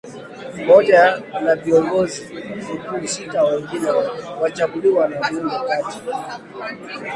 moja na Kiongozi Mkuu sita wengine wanachaguliwa na bunge kati